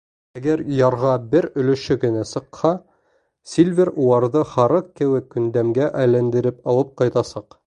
Әгәр ярға бер өлөшө генә сыҡһа, Сильвер уларҙы һарыҡ кеүек күндәмгә әйләндерел алып ҡайтасаҡ.